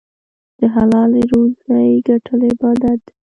د حلالې روزۍ ګټل عبادت دی.